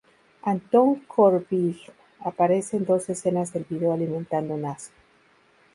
Anton Corbijn aparece en dos escenas del vídeo alimentando un asno.